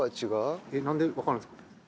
なんで分かるんですか？